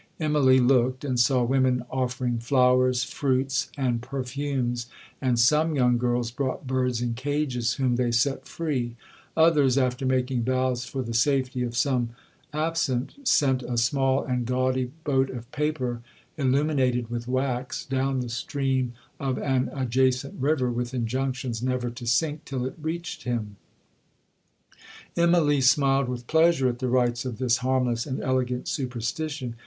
Immalee looked, and saw women offering flowers, fruits, and perfumes; and some young girls brought birds in cages, whom they set free; others, after making vows for the safety of some absent, sent a small and gaudy boat of paper, illuminated with wax, down the stream of an adjacent river, with injunctions never to sink till it reached him. 'Immalee smiled with pleasure at the rites of this harmless and elegant superstition.